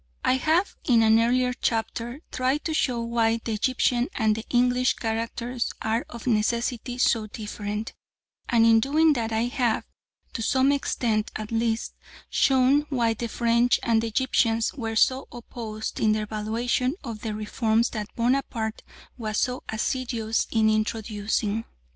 I have in an earlier chapter tried to show why the Egyptian and the English characters are of necessity so different, and in doing that I have, to some extent at least, shown why the French and the Egyptians were so opposed in their valuation of the reforms that Bonaparte was so assiduous in introducing.